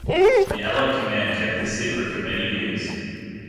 The Allied command kept this secret for many years.